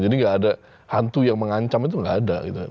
jadi tidak ada hantu yang mengancam itu tidak ada gitu